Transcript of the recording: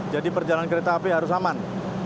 jadi perjalanan kereta api harus aman